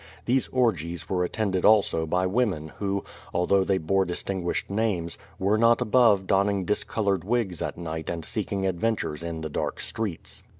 These orgies were attended also by women who, although they bore distinguished names, were not above don ning discolored wigs at night and seeking adventures in the dark streets.